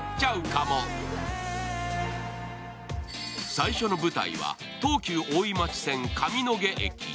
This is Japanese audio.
最初の舞台は東急大井町線・上野毛駅。